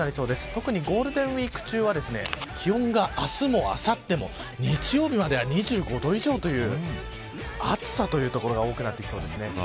特にゴールデンウイーク中は気温が明日、あさっても日曜日までは２５度以上という暑さという所が多くなってきそうです。